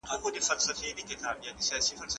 علماء خلګو ته د زکات اهمیت بیانوي.